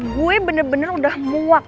gue bener bener udah muak